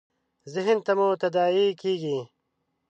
ذهن ته مو تداعي کېږي .